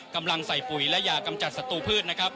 กำลังใส่ปุ๋ยและอย่ากำจัดศัตรูพืช